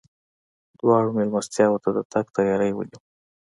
دواړو مېلمستیاوو ته د تګ تیاری ونیو.